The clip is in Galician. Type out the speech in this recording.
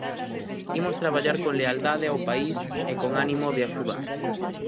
Imos traballar con lealdade ao país e con ánimo de axudar.